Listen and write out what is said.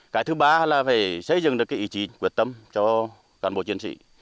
cái thứ ba là phải xây dựng được cái ý chí quyết tâm cho cán bộ chiến sĩ